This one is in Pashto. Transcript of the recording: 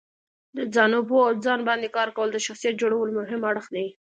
د ځانو پوهه او ځان باندې کار کول د شخصیت جوړولو مهم اړخ دی.